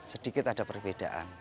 sedikit ada perbedaan